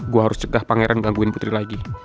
gue harus cegah pangeran gangguin putri lagi